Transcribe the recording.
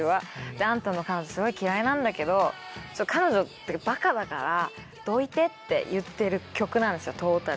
であんたの彼女すごい嫌いなんだけど彼女ってバカだから「どいて」って言ってる曲なんですよトータルで。